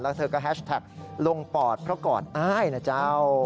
แล้วเธอก็แฮชแท็กลงปอดเพราะกอดอ้ายนะเจ้า